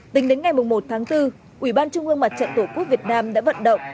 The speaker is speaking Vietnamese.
tính đến ngày một tháng bốn ủy ban trung ương mặt trận tổ quốc việt nam đã vận động